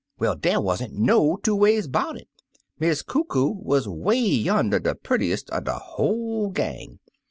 Well, dey wan't no two ways 'bout it, Miss Coo Coo wuz way yander de purtiest er de whole gang.